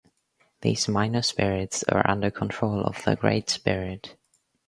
These minor spirits are under control of the great spirit.